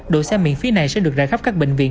độ xe miễn phí này sẽ được ra khắp các bệnh viện